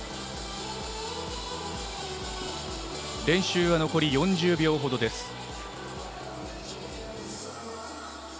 練習は残り４０秒ほどです。